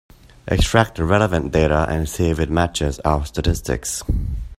Extract the relevant data and see if it matches our statistics.